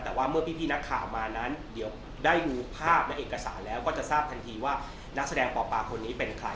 แต่ว่าเมื่อพี่นักข่าวมานั้นเดี๋ยวได้ดูภาพและเอกสารแล้วก็จะทราบทันทีว่านักแสดงปปาคนนี้เป็นใคร